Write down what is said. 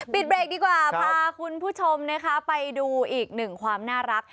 ปิดเบรคดีกว่าพาคุณผู้ชมไปดูอีก๑ความน่ารัก